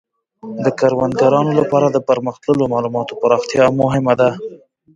د کروندګرانو لپاره د پرمختللو مالوماتو پراختیا مهمه ده.